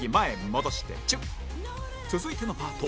続いてのパート